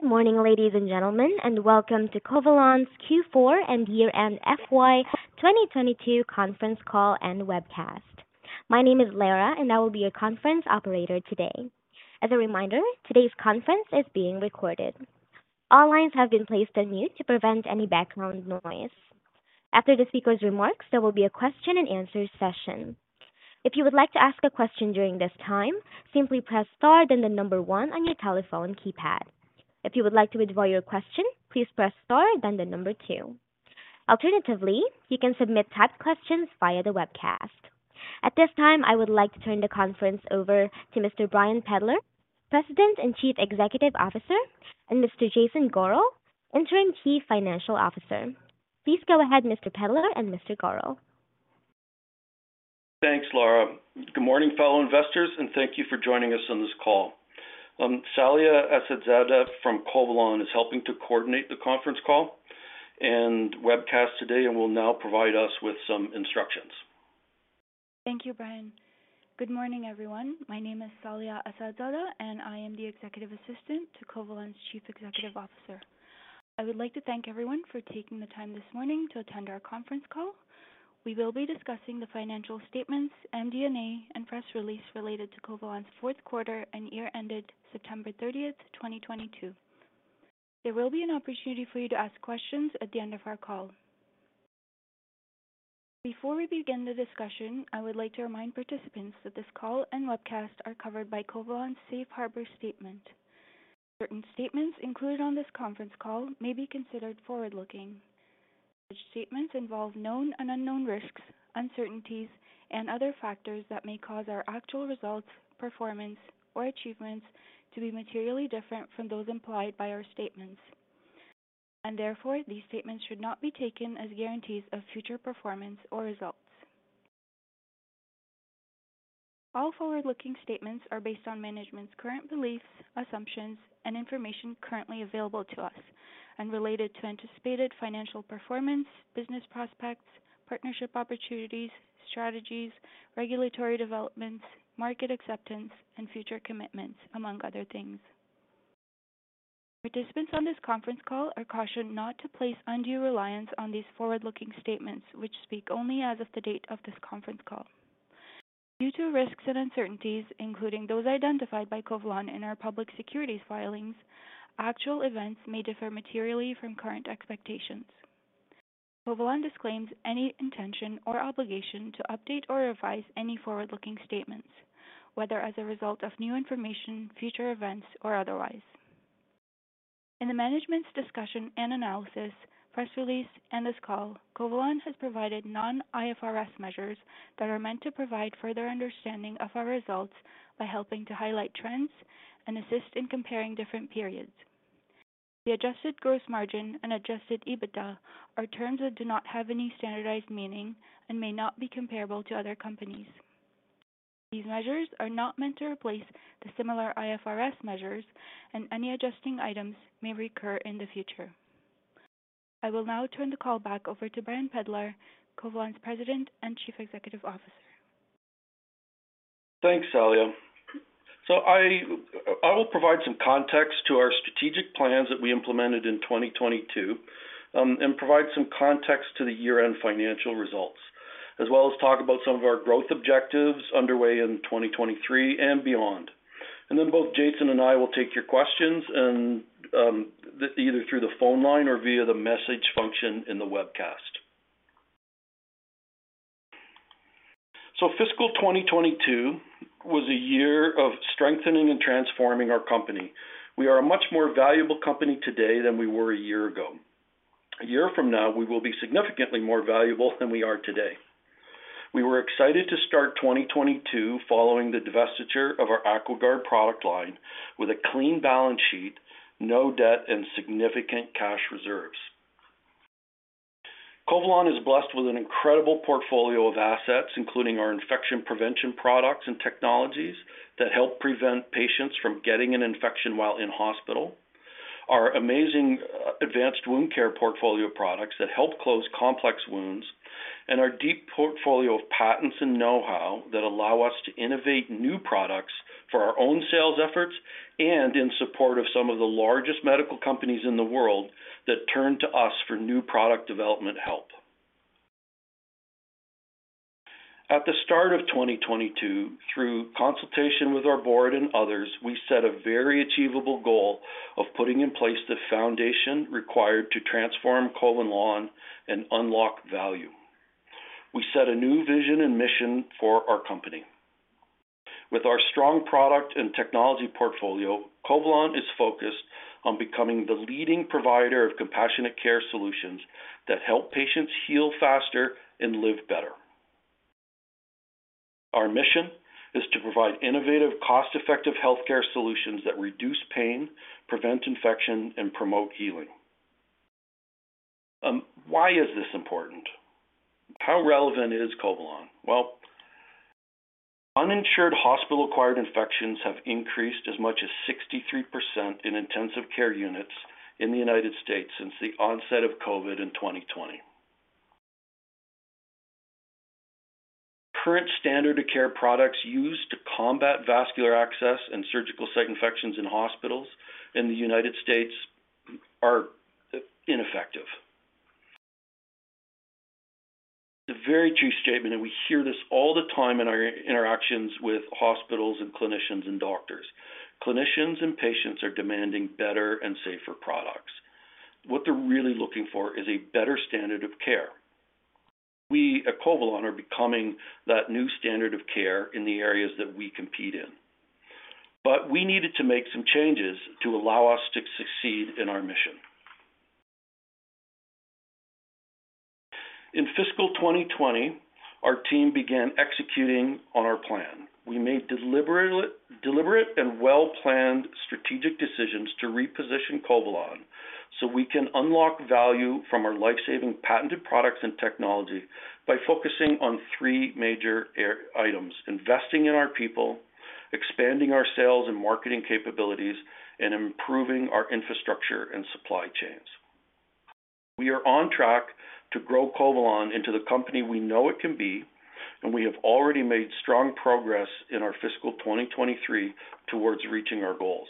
Good morning, ladies and gentlemen, and welcome to Covalon's Q4 and year-end FY 2022 conference call and webcast. My name is Lara, and I will be your conference operator today. As a reminder, today's conference is being recorded. All lines have been placed on mute to prevent any background noise. After the speakers' remarks, there will be a question-and-answer session. If you would like to ask a question during this time, simply press star then the number one on your telephone keypad. If you would like to withdraw your question, please press star then the number two. Alternatively, you can submit typed questions via the webcast. At this time, I would like to turn the conference over to Mr. Brian Pedlar, President and Chief Executive Officer, and Mr. Jason Gorel, Interim Chief Financial Officer. Please go ahead, Mr. Pedlar and Mr. Gorel. Thanks, Laura. Good morning, fellow investors, and thank you for joining us on this call. Salia Assadzadeh from Covalon is helping to coordinate the conference call and webcast today and will now provide us with some instructions. Thank you, Brian. Good morning, everyone. My name is Salia Assadzadeh, and I am the executive assistant to Covalon's Chief Executive Officer. I would like to thank everyone for taking the time this morning to attend our conference call. We will be discussing the financial statements, MD&A, and press release related to Covalon's fourth quarter and year-ended September 30th, 2022. There will be an opportunity for you to ask questions at the end of our call. Before we begin the discussion, I would like to remind participants that this call and webcast are covered by Covalon's Safe Harbor statement. Certain statements included on this conference call may be considered forward-looking. Such statements involve known and unknown risks, uncertainties, and other factors that may cause our actual results, performance, or achievements to be materially different from those implied by our statements. Therefore, these statements should not be taken as guarantees of future performance or results. All forward-looking statements are based on management's current beliefs, assumptions, and information currently available to us and related to anticipated financial performance, business prospects, partnership opportunities, strategies, regulatory developments, market acceptance, and future commitments, among other things. Participants on this conference call are cautioned not to place undue reliance on these forward-looking statements, which speak only as of the date of this conference call. Due to risks and uncertainties, including those identified by Covalon in our public securities filings, actual events may differ materially from current expectations. Covalon disclaims any intention or obligation to update or revise any forward-looking statements, whether as a result of new information, future events, or otherwise. In the management's discussion and analysis, press release, and this call, Covalon has provided non-IFRS measures that are meant to provide further understanding of our results by helping to highlight trends and assist in comparing different periods. The adjusted gross margin and adjusted EBITDA are terms that do not have any standardized meaning and may not be comparable to other companies. These measures are not meant to replace the similar IFRS measures, and any adjusting items may recur in the future. I will now turn the call back over to Brian Pedlar, Covalon's President and Chief Executive Officer. Thanks, Salia. I will provide some context to our strategic plans that we implemented in 2022 and provide some context to the year-end financial results, as well as talk about some of our growth objectives underway in 2023 and beyond. Both Jason and I will take your questions and either through the phone line or via the message function in the webcast. Fiscal 2022 was a year of strengthening and transforming our company. We are a much more valuable company today than we were a year ago. A year from now, we will be significantly more valuable than we are today. We were excited to start 2022 following the divestiture of our AquaGuard product line with a clean balance sheet, no debt, and significant cash reserves. Covalon is blessed with an incredible portfolio of assets, including our infection prevention products and technologies that help prevent patients from getting an infection while in hospital, our amazing advanced wound care portfolio products that help close complex wounds, and our deep portfolio of patents and know-how that allow us to innovate new products for our own sales efforts and in support of some of the largest medical companies in the world that turn to us for new product development help. At the start of 2022, through consultation with our board and others, we set a very achievable goal of putting in place the foundation required to transform Covalon and unlock value. We set a new vision and mission for our company. With our strong product and technology portfolio, Covalon is focused on becoming the leading provider of compassionate care solutions that help patients heal faster and live better. Our mission is to provide innovative, cost-effective healthcare solutions that reduce pain, prevent infection, and promote healing. Why is this important? How relevant is Covalon? Uninsured hospital-acquired infections have increased as much as 63% in intensive care units in the United States since the onset of COVID in 2020. Current standard of care products used to combat vascular access and surgical site infections in hospitals in the United States are ineffective. A very true statement, we hear this all the time in our interactions with hospitals and clinicians and doctors. Clinicians and patients are demanding better and safer products. What they're really looking for is a better standard of care. We at Covalon are becoming that new standard of care in the areas that we compete in. We needed to make some changes to allow us to succeed in our mission. In fiscal 2020, our team began executing on our plan. We made deliberate and well-planned strategic decisions to reposition Covalon, we can unlock value from our life-saving patented products and technology by focusing on three major items. Investing in our people, expanding our sales and marketing capabilities, and improving our infrastructure and supply chains. We are on track to grow Covalon into the company we know it can be, and we have already made strong progress in our fiscal 2023 towards reaching our goals.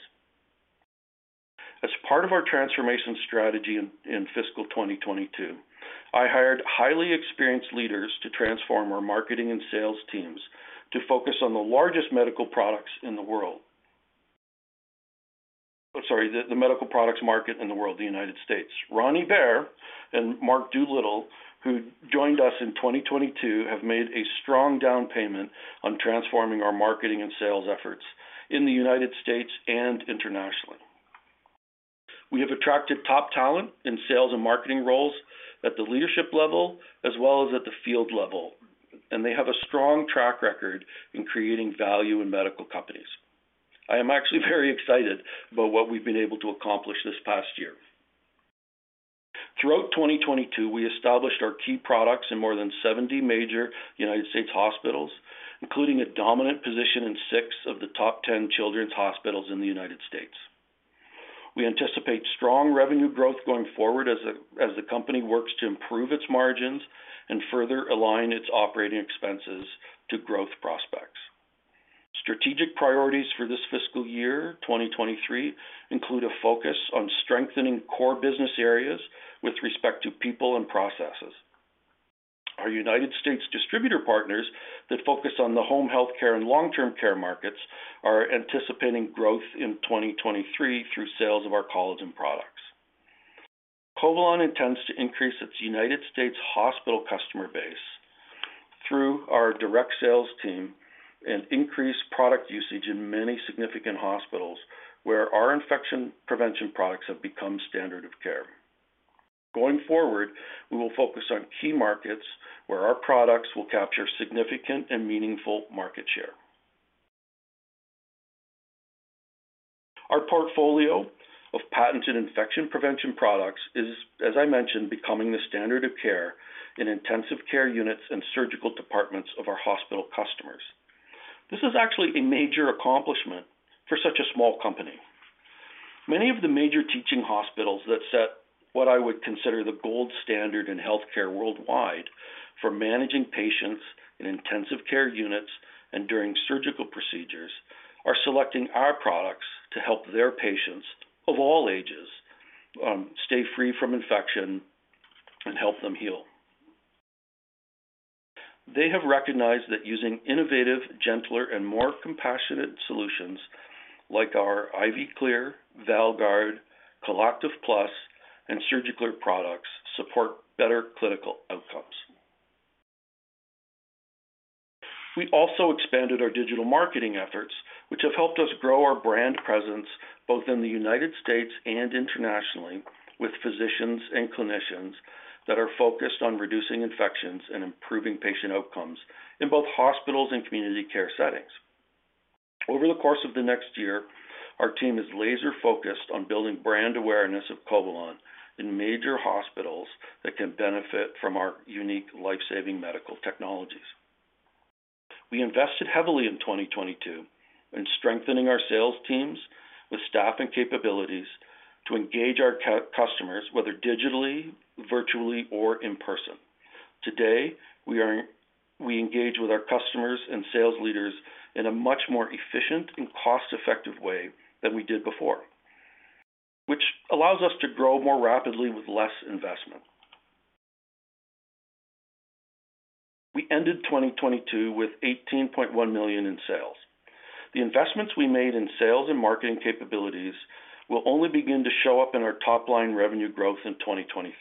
As part of our transformation strategy in fiscal 2022, I hired highly experienced leaders to transform our marketing and sales teams to focus on the largest medical products in the world. Sorry, the medical products market in the world, the United States. Ron Hebert and Mark Doolittle, who joined us in 2022, have made a strong down payment on transforming our marketing and sales efforts in the United States and internationally. They have a strong track record in creating value in medical companies. I am actually very excited about what we've been able to accomplish this past year. Throughout 2022, we established our key products in more than 70 major U.S. hospitals, including a dominant position in six of the top 10 children's hospitals in the U.S. We anticipate strong revenue growth going forward as the company works to improve its margins and further align its operating expenses to growth prospects. Strategic priorities for this fiscal year, 2023, include a focus on strengthening core business areas with respect to people and processes. Our U.S. distributor partners that focus on the home health care and long-term care markets are anticipating growth in 2023 through sales of our collagen products. Covalon intends to increase its U.S. hospital customer base through our direct sales team and increase product usage in many significant hospitals where our infection prevention products have become standard of care. Going forward, we will focus on key markets where our products will capture significant and meaningful market share. Our portfolio of patented infection prevention products is, as I mentioned, becoming the standard of care in intensive care units and surgical departments of our hospital customers. This is actually a major accomplishment for such a small company. Many of the major teaching hospitals that set what I would consider the gold standard in healthcare worldwide for managing patients in intensive care units and during surgical procedures, are selecting our products to help their patients of all ages, stay free from infection and help them heal. They have recognized that using innovative, gentler, and more compassionate solutions like our IV Clear, VALguard, ColActive Plus and SurgiClear products support better clinical outcomes. We also expanded our digital marketing efforts, which have helped us grow our brand presence both in the U.S. and internationally with physicians and clinicians that are focused on reducing infections and improving patient outcomes in both hospitals and community care settings. Over the course of the next year, our team is laser focused on building brand awareness of Covalon in major hospitals that can benefit from our unique life-saving medical technologies. We invested heavily in 2022 in strengthening our sales teams with staff and capabilities to engage our customers, whether digitally, virtually, or in person. Today, We engage with our customers and sales leaders in a much more efficient and cost-effective way than we did before, which allows us to grow more rapidly with less investment. We ended 2022 with $18.1 million in sales. The investments we made in sales and marketing capabilities will only begin to show up in our top-line revenue growth in 2023.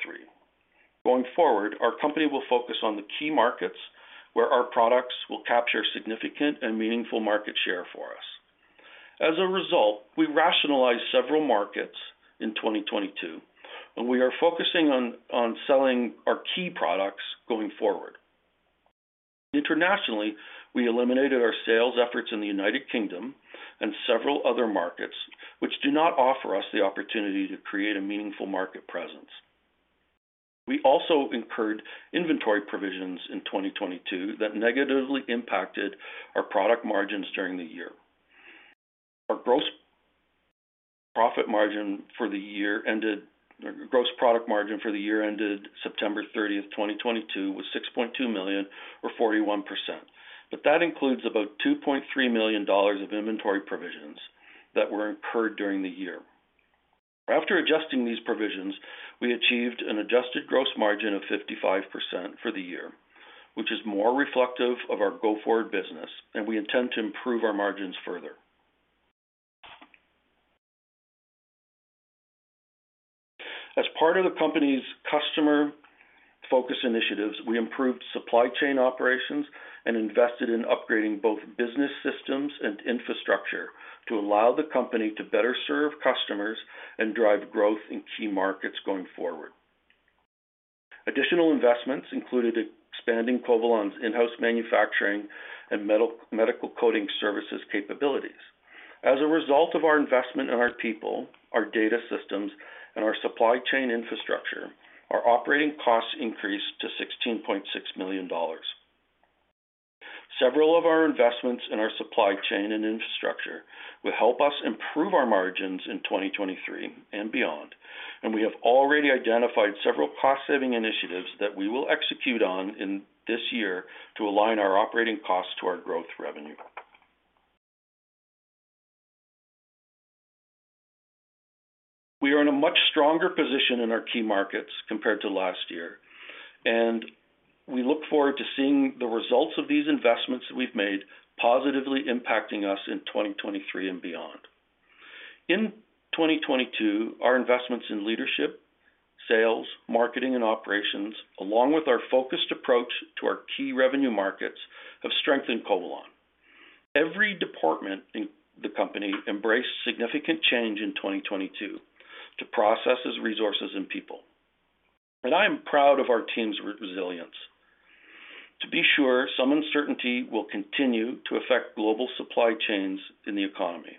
Going forward, our company will focus on the key markets where our products will capture significant and meaningful market share for us. As a result, we rationalized several markets in 2022, we are focusing on selling our key products going forward. Internationally, we eliminated our sales efforts in the United Kingdom and several other markets, which do not offer us the opportunity to create a meaningful market presence. We also incurred inventory provisions in 2022 that negatively impacted our product margins during the year. Our gross product margin for the year ended September 30th, 2022 was 6.2 million or 41%. That includes about $2.3 million of inventory provisions that were incurred during the year. After adjusting these provisions, we achieved an adjusted gross margin of 55% for the year, which is more reflective of our go-forward business, and we intend to improve our margins further. As part of the company's customer focus initiatives, we improved supply chain operations and invested in upgrading both business systems and infrastructure to allow the company to better serve customers and drive growth in key markets going forward. Additional investments included expanding Covalon's in-house manufacturing and medical coding services capabilities. As a result of our investment in our people, our data systems, and our supply chain infrastructure, our operating costs increased to $16.6 million. Several of our investments in our supply chain and infrastructure will help us improve our margins in 2023 and beyond. We have already identified several cost-saving initiatives that we will execute on in this year to align our operating costs to our growth revenue. We are in a much stronger position in our key markets compared to last year. We look forward to seeing the results of these investments that we've made positively impacting us in 2023 and beyond. In 2022, our investments in leadership, sales, marketing, and operations, along with our focused approach to our key revenue markets, have strengthened Covalon. Every department in the company embraced significant change in 2022 to processes, resources, and people. I am proud of our team's resilience. To be sure, some uncertainty will continue to affect global supply chains in the economy.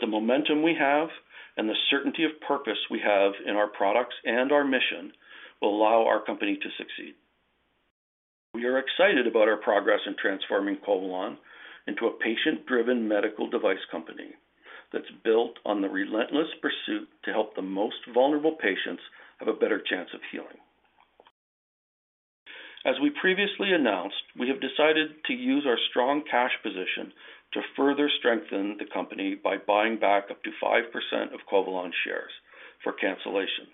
The momentum we have and the certainty of purpose we have in our products and our mission will allow our company to succeed. We are excited about our progress in transforming Covalon into a patient-driven medical device company that's built on the relentless pursuit to help the most vulnerable patients have a better chance of healing. As we previously announced, we have decided to use our strong cash position to further strengthen the company by buying back up to 5% of Covalon shares for cancellation.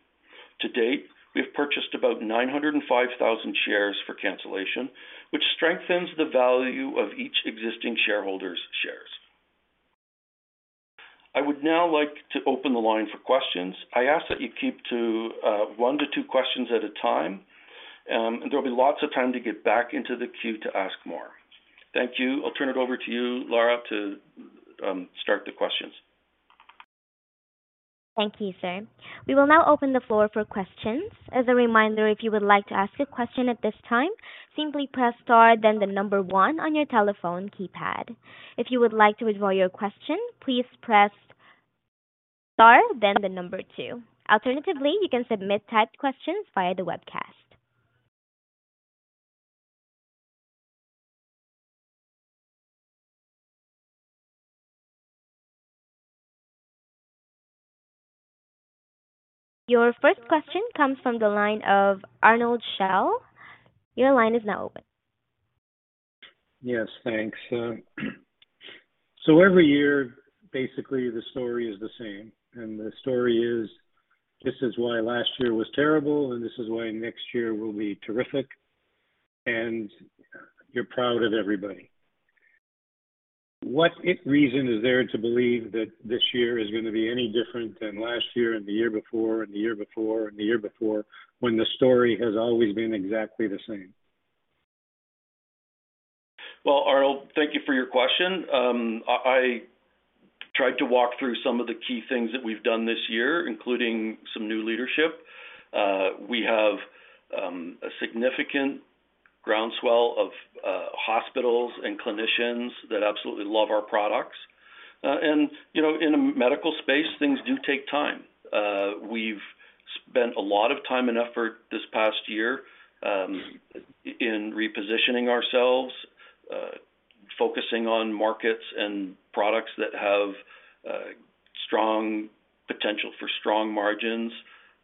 To date, we have purchased about 905,000 shares for cancellation, which strengthens the value of each existing shareholder's shares. I would now like to open the line for questions. I ask that you keep to one-two questions at a time, and there'll be lots of time to get back into the queue to ask more. Thank you. I'll turn it over to you, Laura, to start the questions. Thank you, sir. We will now open the floor for questions. As a reminder, if you would like to ask a question at this time, simply press star then one on your telephone keypad. If you would like to withdraw your question, please press star then two. Alternatively, you can submit typed questions via the webcast. Your first question comes from the line of Arnold Schell. Your line is now open. Yes, thanks. Every year, basically the story is the same. The story is, this is why last year was terrible, and this is why next year will be terrific. You're proud of everybody. What it reason is there to believe that this year is gonna be any different than last year and the year before and the year before and the year before, when the story has always been exactly the same? Well, Arnold, thank you for your question. I tried to walk through some of the key things that we've done this year, including some new leadership. We have a significant groundswell of hospitals and clinicians that absolutely love our products. You know, in a medical space, things do take time. We've spent a lot of time and effort this past year, in repositioning ourselves, focusing on markets and products that have strong potential for strong margins.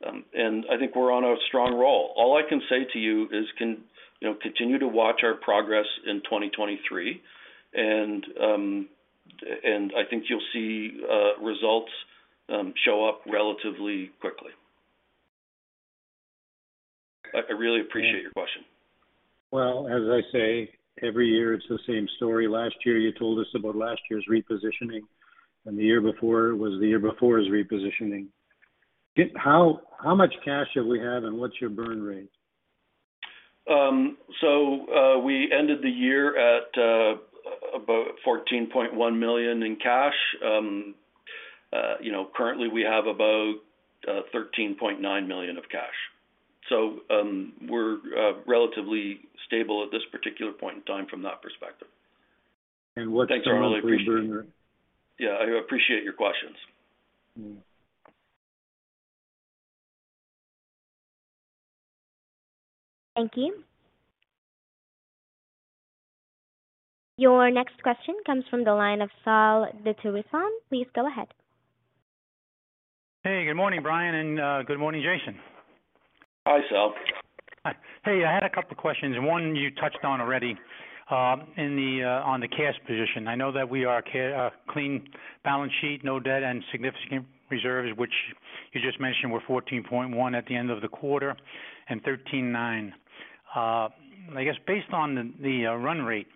I think we're on a strong roll. All I can say to you is you know, continue to watch our progress in 2023. I think you'll see results show up relatively quickly. I really appreciate your question. Well, as I say, every year it's the same story. Last year you told us about last year's repositioning. The year before was the year before's repositioning. How much cash have we had and what's your burn rate? We ended the year at about 14.1 million in cash. You know, currently we have about 13.9 million of cash. We're relatively stable at this particular point in time from that perspective. What's our monthly burn rate? Yeah, I appreciate your questions. Mm-hmm. Thank you. Your next question comes from the line of Sal Bitisoun. Please go ahead. Hey, good morning, Brian, and, good morning, Jason. Hi, Sal. Hi. Hey, I had a couple of questions. One you touched on already, in the on the cash position. I know that we are clean balance sheet, no debt, and significant reserves, which you just mentioned were 14.1 at the end of the quarter and 13.9. I guess based on the run rate,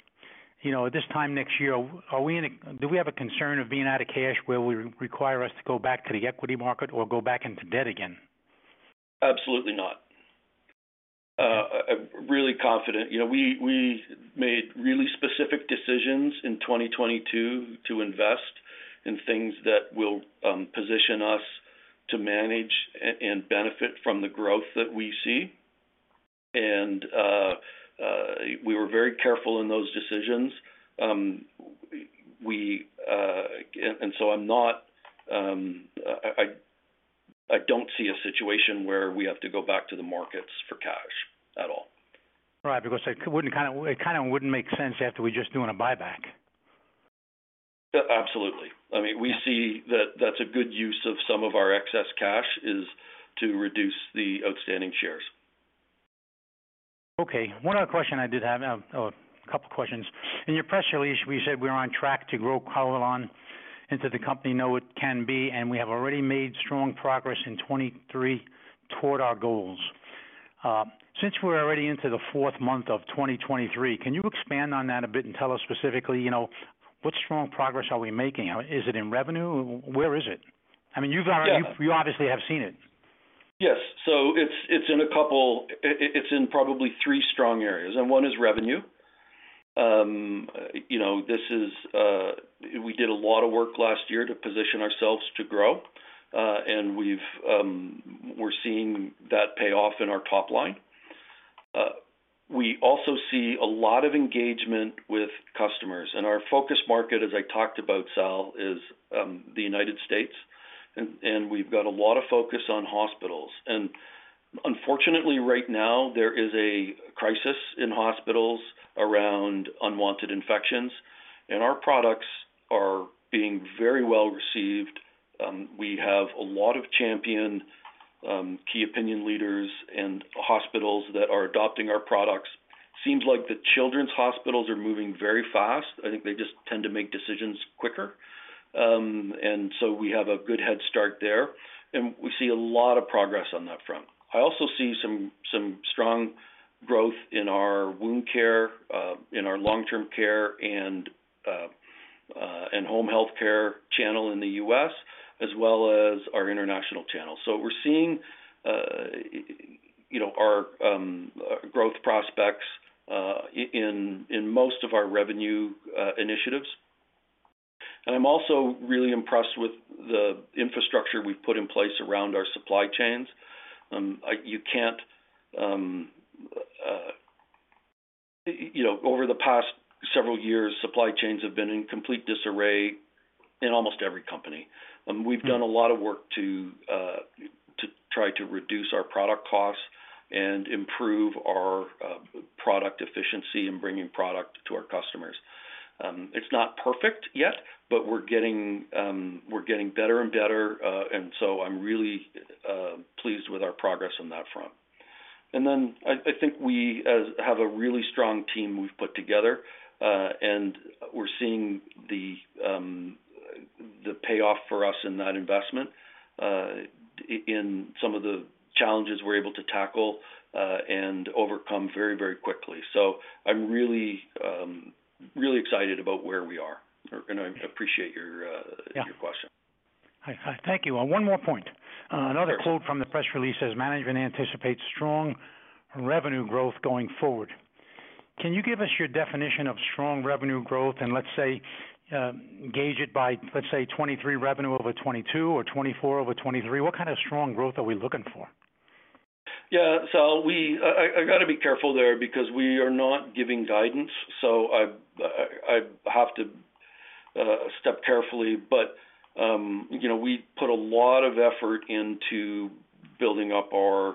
you know, this time next year, do we have a concern of being out of cash where we require us to go back to the equity market or go back into debt again? Absolutely not. I'm really confident. You know, we made really specific decisions in 2022 to invest in things that will position us to manage and benefit from the growth that we see. We were very careful in those decisions. I'm not, I don't see a situation where we have to go back to the markets for cash at all. Right. It kinda wouldn't make sense after we're just doing a buyback. Absolutely. I mean, we see that that's a good use of some of our excess cash, is to reduce the outstanding shares. Okay. One other question I did have. A couple of questions. In your press release, you said we're on track to grow Covalon into the company know it can be, and we have already made strong progress in 2023 toward our goals. Since we're already into the fourth month of 2023, can you expand on that a bit and tell us specifically, you know, what strong progress are we making? Is it in revenue? Where is it? I mean, you've Yeah. You obviously have seen it. Yes. It's in probably three strong areas, and one is revenue. You know, this is, we did a lot of work last year to position ourselves to grow, and we've, we're seeing that pay off in our top line. We also see a lot of engagement with customers. Our focus market, as I talked about, Sal, is the United States, and we've got a lot of focus on hospitals. Unfortunately, right now, there is a crisis in hospitals around unwanted infections, and our products are being very well received. We have a lot of champion key opinion leaders and hospitals that are adopting our products. Seems like the children's hospitals are moving very fast. I think they just tend to make decisions quicker. We have a good head start there, and we see a lot of progress on that front. I also see some strong growth in our wound care, in our long-term care and home health care channel in the US as well as our international channel. We're seeing, you know, our growth prospects in most of our revenue initiatives. I'm also really impressed with the infrastructure we've put in place around our supply chains. You can't, you know, over the past several years, supply chains have been in complete disarray in almost every company. We've done a lot of work to try to reduce our product costs and improve our product efficiency in bringing product to our customers. It's not perfect yet, but we're getting better and better. I'm really pleased with our progress on that front. I think we have a really strong team we've put together, and we're seeing the payoff for us in that investment, in some of the challenges we're able to tackle, and overcome very quickly. I'm really excited about where we are. I appreciate your question. Yeah. Thank you. One more point. Yes. Another quote from the press release says management anticipates strong revenue growth going forward. Can you give us your definition of strong revenue growth and let's say, gauge it by, let's say, 2023 revenue over 2022 or 2024 over 2023? What kind of strong growth are we looking for? Yeah. I got to be careful there because we are not giving guidance, I have to step carefully. You know, we put a lot of effort into building up our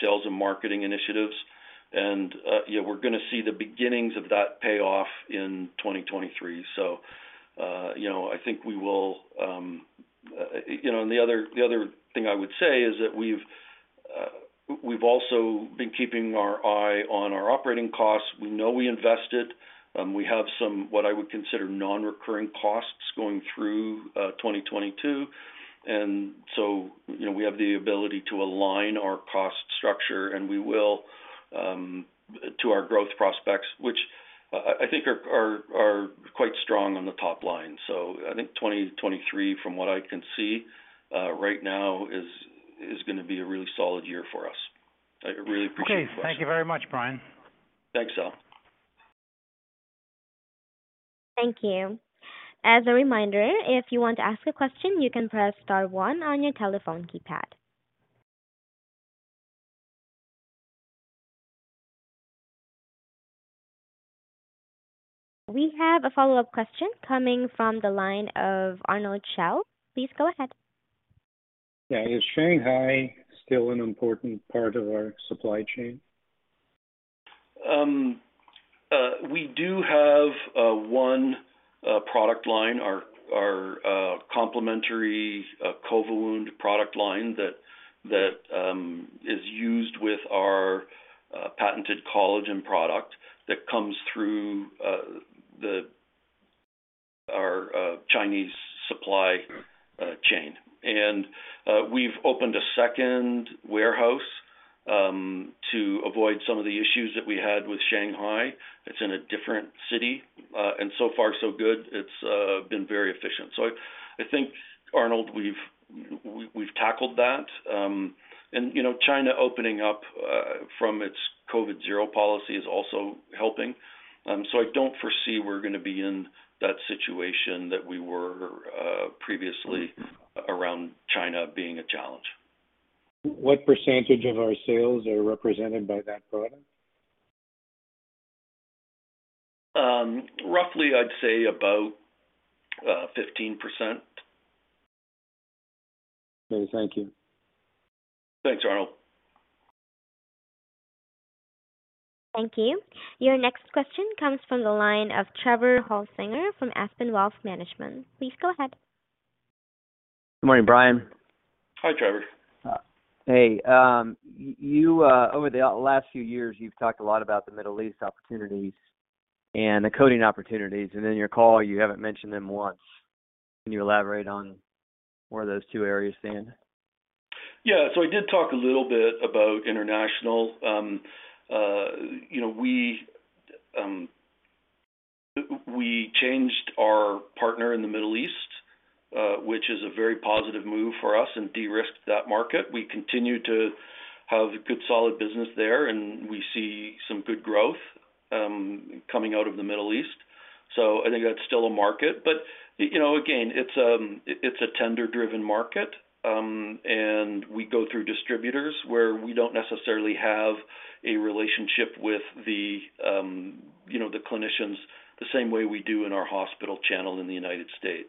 sales and marketing initiatives. Yeah, we're gonna see the beginnings of that pay off in 2023. You know, I think we will. You know, the other thing I would say is that we've also been keeping our eye on our operating costs. We know we invested. We have some, what I would consider non-recurring costs going through 2022. You know, we have the ability to align our cost structure, and we will, to our growth prospects, which I think are quite strong on the top line. I think 2023, from what I can see, right now is gonna be a really solid year for us. I really appreciate the question. Okay. Thank you very much, Brian. Thanks, Sal. Thank you. As a reminder, if you want to ask a question, you can press star one on your telephone keypad. We have a follow-up question coming from the line of Arnold Xiao. Please go ahead. Yeah. Is Shanghai still an important part of our supply chain? We do have one product line, our complementary CovaWound product line that is used with our patented collagen product that comes through our Chinese supply chain. We've opened a second warehouse to avoid some of the issues that we had with Shanghai. It's in a different city. Far so good. It's been very efficient. I think, Arnold, we've tackled that. You know, China opening up from its zero-COVID policy is also helping. I don't foresee we're gonna be in that situation that we were previously around China being a challenge. What % of our sales are represented by that product? Roughly I'd say about 15%. Okay, thank you. Thanks, Arnold. Thank you. Your next question comes from the line of Trevor Holsinger from Aspen Wealth Management. Please go ahead. Good morning, Brian. Hi, Trevor. Hey, you over the last few years, you've talked a lot about the Middle East opportunities and the coding opportunities, and in your call, you haven't mentioned them once. Can you elaborate on where those two areas stand? Yeah. I did talk a little bit about international. You know, we changed our partner in the Middle East, which is a very positive move for us and de-risked that market. We continue to have good solid business there, and we see some good growth coming out of the Middle East. I think that's still a market. You know, again, it's a tender-driven market, and we go through distributors where we don't necessarily have a relationship with the, you know, the clinicians the same way we do in our hospital channel in the United States.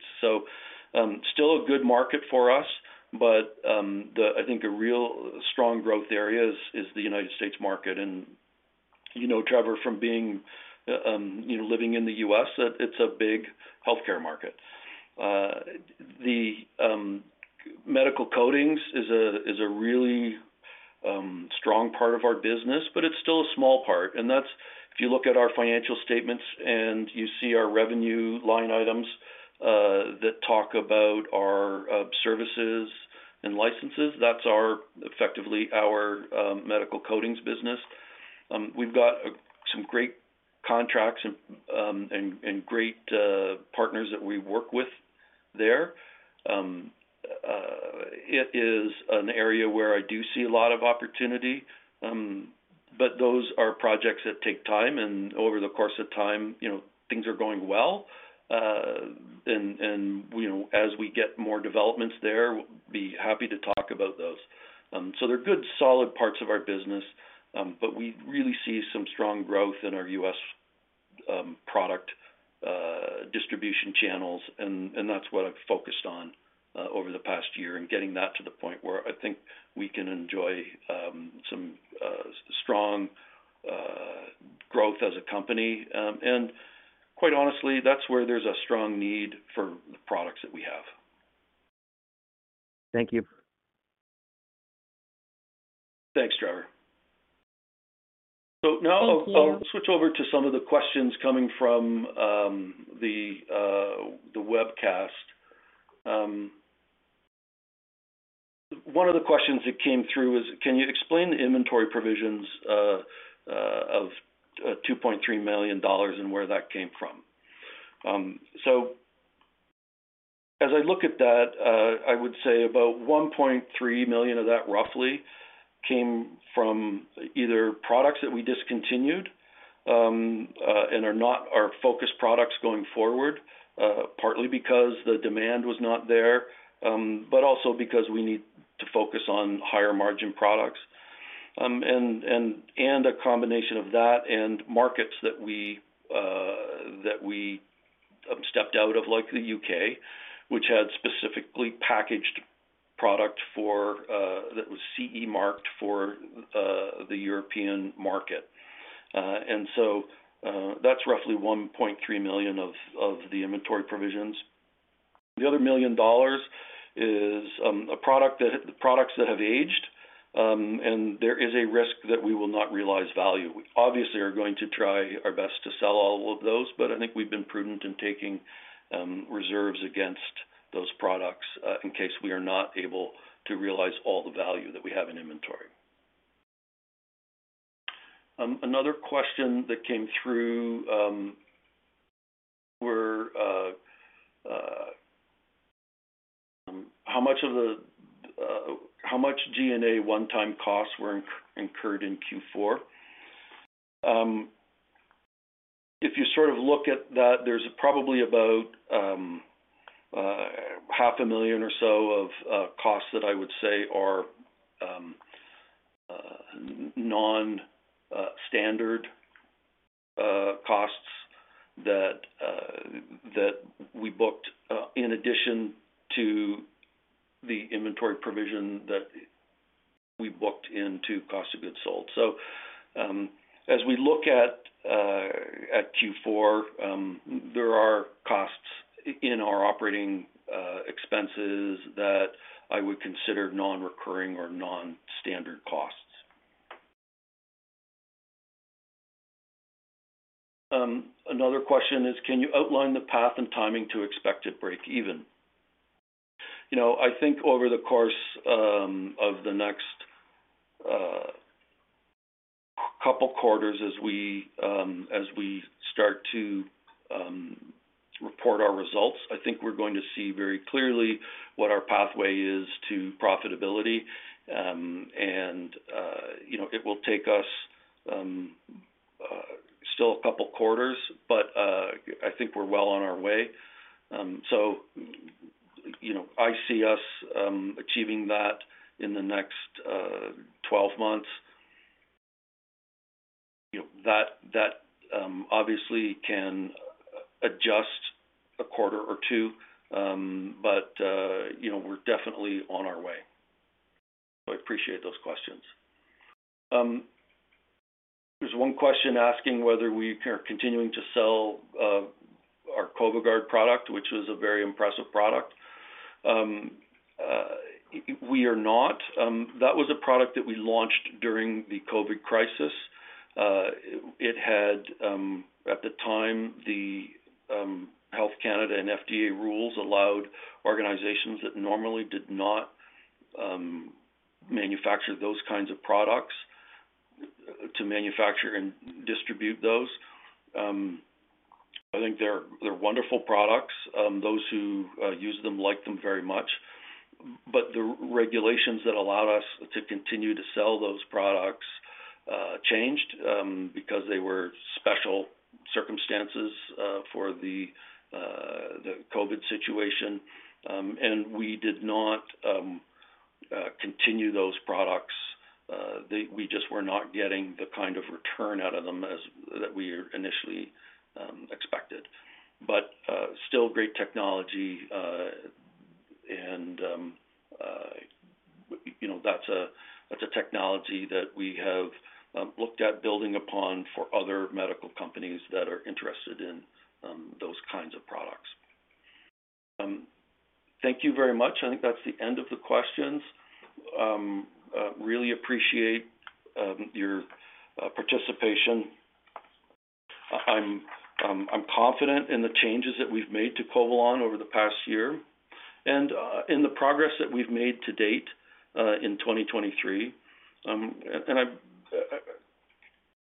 Still a good market for us, but I think the real strong growth area is the United States market. You know, Trevor from being, you know, living in the U.S., it's a big healthcare market. The medical coatings is a really strong part of our business, but it's still a small part, and that's if you look at our financial statements and you see our revenue line items that talk about our services and licenses, effectively our medical coatings business. We've got some great contracts and great partners that we work with there. It is an area where I do see a lot of opportunity, but those are projects that take time, and over the course of time, you know, things are going well. You know, as we get more developments there, we'll be happy to talk about those. They're good, solid parts of our business, but we really see some strong growth in our U.S. product distribution channels and that's what I've focused on over the past year and getting that to the point where I think we can enjoy some strong growth as a company. Quite honestly, that's where there's a strong need for the products that we have. Thank you. Thanks, Trevor. Thank you. I'll switch over to some of the questions coming from the webcast. One of the questions that came through is, can you explain the inventory provisions of 2.3 million dollars and where that came from? So as I look at that, I would say about 1.3 million of that roughly came from either products that we discontinued and are not our focus products going forward, partly because the demand was not there, but also because we need to focus on higher margin products. And a combination of that and markets that we stepped out of, like the U.K., which had specifically packaged product for that was CE marking for the European market. That's roughly $1.3 million of the inventory provisions. The other $1 million is products that have aged, and there is a risk that we will not realize value. We obviously are going to try our best to sell all of those, but I think we've been prudent in taking reserves against those products in case we are not able to realize all the value that we have in inventory. Another question that came through were how much of the how much G&A one-time costs were incurred in Q4. If you sort of look at that, there's probably about $500,000 or so of costs that I would say are non-standard costs that we booked, in addition to the inventory provision that we booked into cost of goods sold. As we look at Q4, there are costs in our operating expenses that I would consider non-recurring or non-standard costs. Another question is, can you outline the path and timing to expected breakeven? You know, I think over the course of the next couple quarters as we start to report our results, I think we're going to see very clearly what our pathway is to profitability. You know, it will take us still a couple quarters, but I think we're well on our way. You know, I see us achieving that in the next 12 months. You know, that obviously can adjust a quarter two. You know, we're definitely on our way. I appreciate those questions. There's one question asking whether we are continuing to sell our CovaGuard product, which is a very impressive product. We are not. That was a product that we launched during the COVID crisis. It had at the time, the Health Canada and FDA rules allowed organizations that normally did not manufacture those kinds of products to manufacture and distribute those. I think they're wonderful products. Those who use them like them very much. The regulations that allowed us to continue to sell those products changed because they were special circumstances for the COVID situation. We did not continue those products. We just were not getting the kind of return out of them that we initially expected. Still great technology. You know, that's a, that's a technology that we have looked at building upon for other medical companies that are interested in those kinds of products. Thank you very much. I think that's the end of the questions. Really appreciate your participation. I'm confident in the changes that we've made to Covalon over the past year and in the progress that we've made to date in 2023.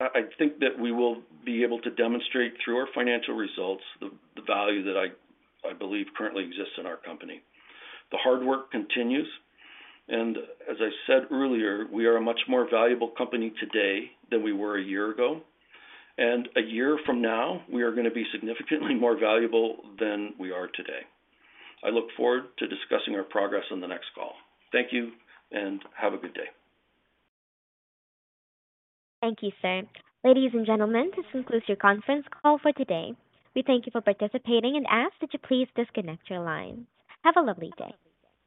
I think that we will be able to demonstrate through our financial results the value that I believe currently exists in our company. The hard work continues, and as I said earlier, we are a much more valuable company today than we were a year ago. A year from now, we are gonna be significantly more valuable than we are today. I look forward to discussing our progress on the next call. Thank you, and have a good day. Thank you, sir. Ladies and gentlemen, this concludes your conference call for today. We thank you for participating and ask that you please disconnect your lines. Have a lovely day.